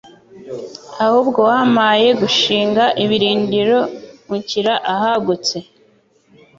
ahubwo wampaye gushinga ibirindiro unshyira ahagutse